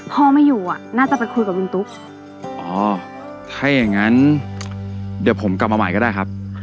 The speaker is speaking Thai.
พ่อไม่อยู่อ่ะน่าจะไปคุยกับลุงตุ๊กอ๋อถ้าอย่างงั้นเดี๋ยวผมกลับมาใหม่ก็ได้ครับ